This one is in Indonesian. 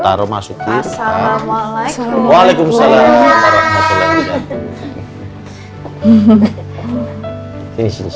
taruh masuk assalamualaikum waalaikumsalam